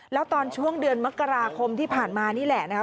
แล้วตอนช่วงเดือนมกราคมที่ผ่านมานี่แหละนะคะ